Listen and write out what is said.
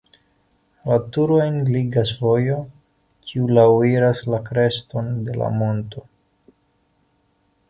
La turojn ligas vojo, kiu laŭiras la kreston de la monto.